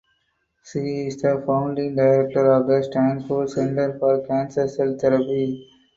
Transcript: She is the founding director of the Stanford Center for Cancer Cell Therapy.